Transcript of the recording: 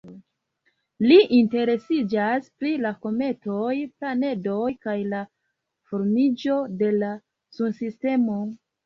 Li interesiĝas pri la kometoj, planedoj kaj la formiĝo de la Sunsistemo.